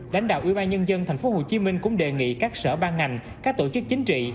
lãnh đạo ubnd tp hcm cũng đề nghị các sở ban ngành các tổ chức chính trị